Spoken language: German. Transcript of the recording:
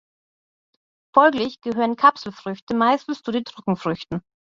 Folglich gehören Kapselfrüchte meistens zu den Trockenfrüchten.